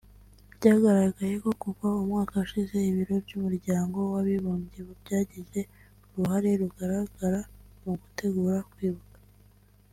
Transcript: Byagaragaye ko kuva umwaka ushize ibiro by’Umuryango w’Abibumbye byagize uruhare rugaragra mu gutegura kwibuka